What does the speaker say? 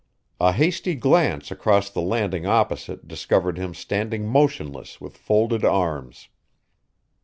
A hasty glance across the landing opposite discovered him standing motionless with folded arms.